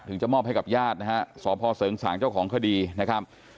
ถึงจะมอบให้กับญาตินะฮะสภงศ์ษางคดีนะครับ